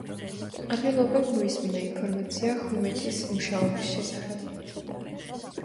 ყრილობამ მოისმინა ინფორმაცია „ჰუმეთის“ მუშაობის შესახებ.